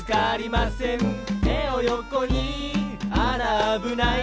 「てをよこにあらあぶない」